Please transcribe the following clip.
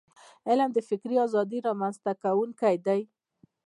علم د فکري ازادی رامنځته کونکی دی.